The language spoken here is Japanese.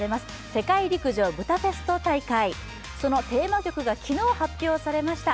世界陸上ブダペスト大会、そのテーマ曲が昨日、発表されました。